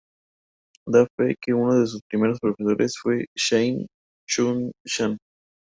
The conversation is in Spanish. Da fe que uno de sus primeros profesores fue Shen Chun-shan.